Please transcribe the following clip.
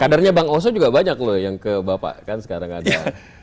kadernya bang oso juga banyak loh yang ke bapak kan sekarang ada